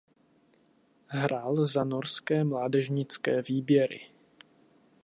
Hrál za norské mládežnické výběry.